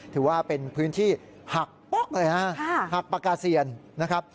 ถือว่าเป็นพื้นที่หักป๊อกเลยนะฮะหักปากกาเซียนนะครับ